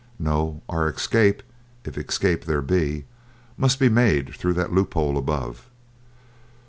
No, our escape, if escape there be, must be made through that loophole above.